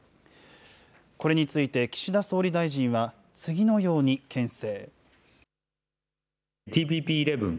これについて岸田総理大臣は、次のようにけん制。